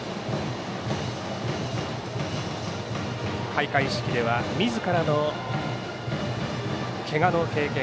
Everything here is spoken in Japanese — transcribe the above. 開会式ではみずからのけがの経験